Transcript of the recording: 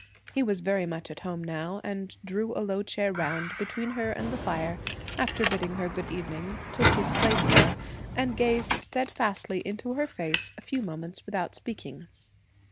He was very much at home now, and drew a low chair round between her and the fire, after bidding her good evening, took his place there, and gazed steadfastly into her face a few moments without speaking.